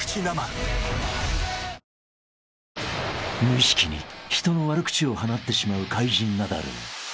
［無意識に人の悪口を放ってしまう怪人ナダル］